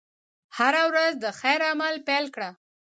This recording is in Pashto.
هره ورځ د خیر عمل پيل کړه.